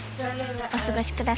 お過ごしください